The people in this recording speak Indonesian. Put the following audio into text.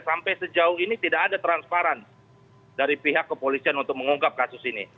sampai sejauh ini tidak ada transparan dari pihak kepolisian untuk mengungkap kasus ini